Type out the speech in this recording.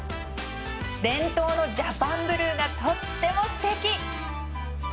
伝統のジャパンブルーがとってもすてき！